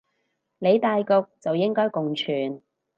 理大局就應該共存